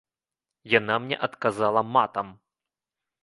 Яна мне адказала матам.